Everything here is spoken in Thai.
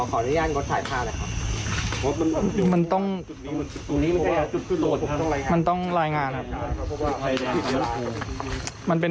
ขออนุญาตกดถ่ายภาพเลยครับมันต้องมันต้องรายงานครับมันเป็น